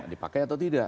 dipakai atau tidak